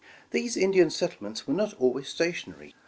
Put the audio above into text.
These Indian settlements were not always stationary.